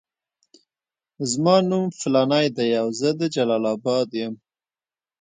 زما نوم فلانی دی او زه د جلال اباد یم.